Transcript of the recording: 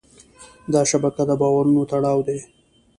دا شبکه د باورونو تړاو دی.